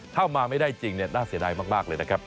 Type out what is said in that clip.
ถ้ามาไม่ได้จริงน่าเสียดายมากเลยนะครับ